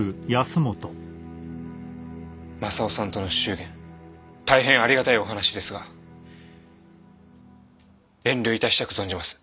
まさをさんとの祝言大変ありがたいお話ですが遠慮致したく存じます。